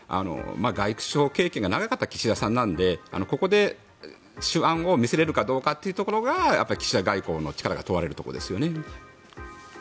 外相経験が長かった岸田さんなのでここで手腕を見せれるかどうかというところが岸田外交の力が問われるところですよね。